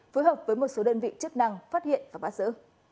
phối hợp với một số đơn vị chức năng phát hiện và bắt giữ